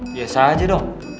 biasa aja dong